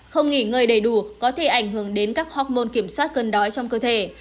không nghỉ ngơi đầy đủ có thể ảnh hưởng đến các hocmon kiểm soát cân đói trong cơ thể